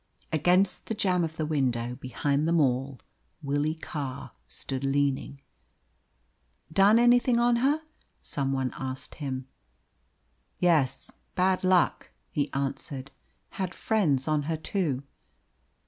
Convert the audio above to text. Against the jamb of the window, behind them all, Willie Carr stood leaning. "Done anything on her?" some one asked him. "Yes, bad luck," he answered. "Had friends on her, too."